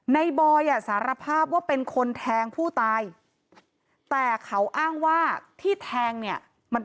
นายบอยสารภาพว่าเป็นคนแทงผู้ตาย